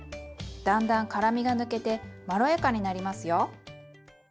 だんだん辛みが抜けてまろやかになりますよ。